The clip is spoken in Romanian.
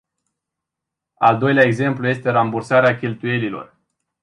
Al doilea exemplu este rambursarea cheltuielilor.